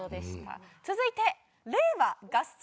続いて令和合算